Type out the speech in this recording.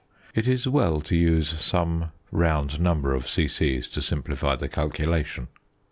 It is well to use some round number of c.c. to simplify the calculation.